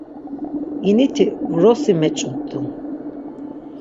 İniti vrosi meç̌umt̆u.